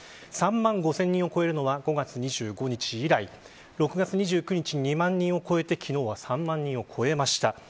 ３万５０００人を超えるのは５月２５日以来６月２９日に２万人を超えて昨日は３万人を超えました。